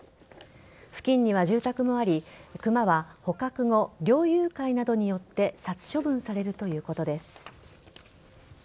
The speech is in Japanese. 付近には住宅もありクマは捕獲後猟友会などによって殺処分されるということです。